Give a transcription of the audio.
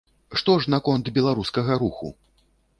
Што ж наконт беларускага руху?